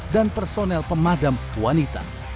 dan personel pemadam wanita